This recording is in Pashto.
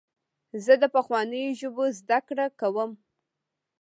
زه د پخوانیو ژبو زدهکړه کوم.